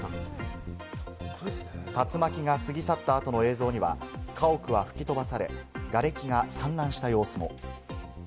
竜巻が過ぎ去った後の映像には、家屋は吹き飛ばされ、がれきが散乱した様子も。